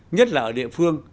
nhất là ở địa phương